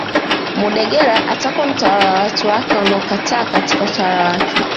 Mudegela atakuwa mtawala wa watu wake wanaokaa katika utawala wake